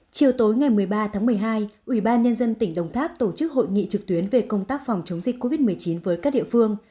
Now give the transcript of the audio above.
chiều tối ngày một mươi ba tháng một mươi hai ủy ban nhân dân tỉnh đồng tháp tổ chức hội nghị trực tuyến về công tác phòng chống dịch covid một mươi chín với các địa phương